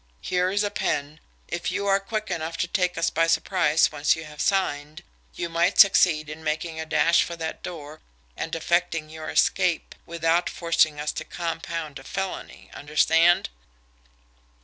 Here is a pen if you are quick enough to take us by surprise once you have signed, you might succeed in making a dash for that door and effecting your escape without forcing us to compound a felony understand?"